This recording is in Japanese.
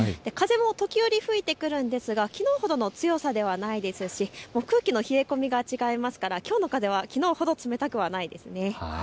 風も時折吹いてくるんですが、きのうほどの強さではないですし空気の冷え込みが違いますからきょうの風はきのうほど冷たくはないですね。